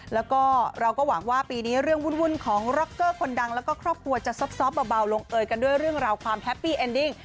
แล้วก็เราก็หวังว่าปีนี้เรื่องวุ่นของร็อกเกอร์คนดังแล้วก็ครอบครัวจะซอบเบาลงเอยกันด้วยเรื่องราวความแฮปปี้เอ็นดิ้ง